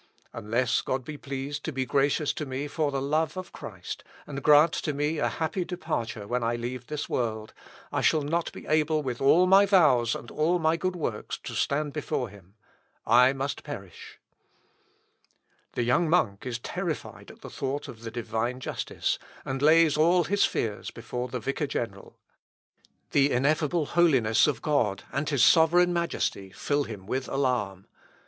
Unless God be pleased to be gracious to me for the love of Christ, and to grant me a happy departure when I leave this world, I shall not be able with all my vows and all my good works to stand before him. I must perish." Luth. Op. (W.) viii, 2725. The young monk is terrified at the thought of the Divine justice, and lays all his fears before the vicar general. The ineffable holiness of God, and his sovereign majesty, fill him with alarm.